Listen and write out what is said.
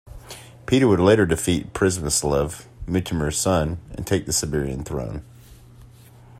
Petar would later defeat Pribislav, Mutimir's son, and take the Serbian throne.